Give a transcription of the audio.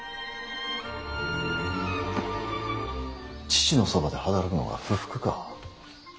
父のそばで働くのが不服か。